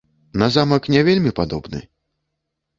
На замак не вельмі падобны?